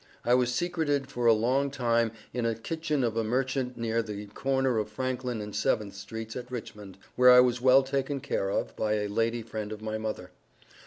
I was secreted for a long time in a kitchen of a merchant near the corner of Franklyn and 7th streets, at Richmond, where I was well taken care of, by a lady friend of my mother.